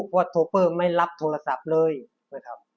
ว่าโทเปอร์ไม่รับโทรศัพท์เลยนะครับ